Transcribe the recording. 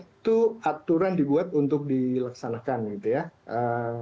itu aturan dibuat untuk dilaksanakan gitu ya